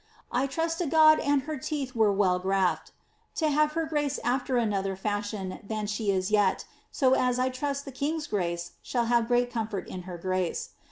I trust to God an' her teeth were v ^i] prraft, to have her grace after another fashion than slie is yet, so as I trust l^e king's^ grace f>hall have great comfort in her grace.